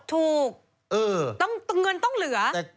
ถูกเงินต้องเหลือ